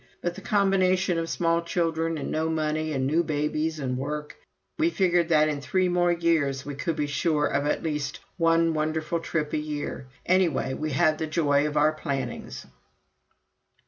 But the combination of small children and no money and new babies and work We figured that in three more years we could be sure of at least one wonderful trip a year. Anyway, we had the joy of our plannings.